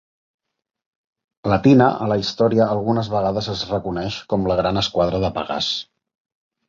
La tina a la història algunes vegades es reconeix com la gran esquadra de Pegàs.